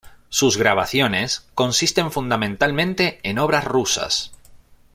Sus grabaciones consisten fundamentalmente en obras rusas.